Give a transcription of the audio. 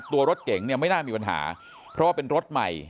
ตัวรถเก๋งเนี่ยไม่น่ามีปัญหาเพราะว่าเป็นรถใหม่